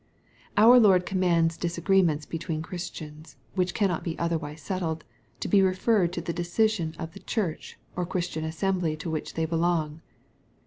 Out Lord commands disagreements between Christians, which cannot be otherwise settled, to be referred to the decision of the church or Christian assembly to which they belong.